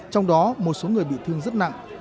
trong đó một số người bị thương rất nặng